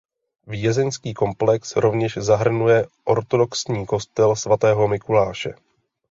Vězeňský komplex rovněž zahrnuje ortodoxní kostel svatého Mikuláše.